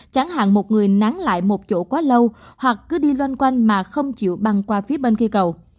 chẳng hạn một người nán lại một chỗ quá lâu hoặc cứ đi loanh quanh mà không chịu băng qua phía bên kia cầu